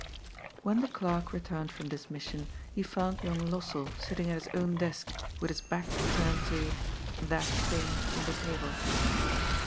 When the clerk returned from this mission, he found young Lossell sitting at his own desk, with his back turned to — that thing — on the table.